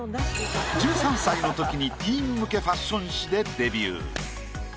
１３歳のときにティーン向けファッション誌でデビュー。